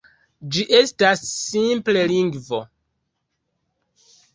Ĝi estas simple lingvo.